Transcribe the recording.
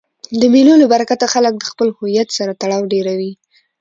د مېلو له برکته خلک د خپل هویت سره تړاو ډېروي.